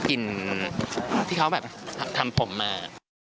กลิ่นที่เขาแบบทำผมมา